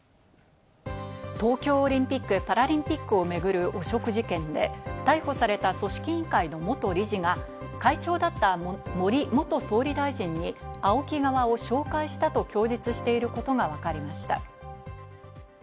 東京オリンピック・パラリンピックを巡る汚職事件で逮捕された組織委員会の元理事が、会長だった森元総理大臣にＡＯＫＩ側を紹介したと供述していることがわかりました。